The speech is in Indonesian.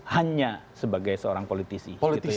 hanya sebagai seorang politisi